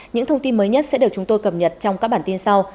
những thông tin mới nhất sẽ được chúng tôi cập nhật trong các bản tin sau